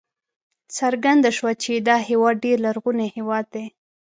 څرګنده شوه چې دا هېواد ډېر لرغونی هېواد دی.